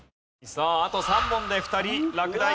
さああと３問で２人落第。